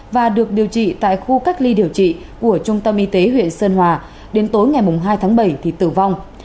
và được điều trị tại khu cách ly điều trị của trung tâm y tế huyện sơn hòa đến tối ngày hai tháng bảy thì tử vong